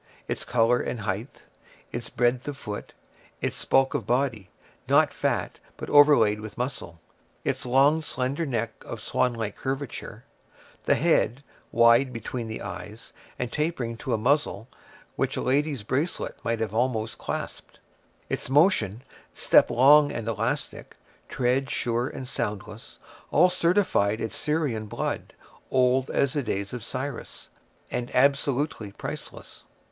Its color and height; its breadth of foot; its bulk of body, not fat, but overlaid with muscle; its long, slender neck, of swanlike curvature; the head, wide between the eyes, and tapering to a muzzle which a lady's bracelet might have almost clasped; its motion, step long and elastic, tread sure and soundless—all certified its Syrian blood, old as the days of Cyrus, and absolutely priceless.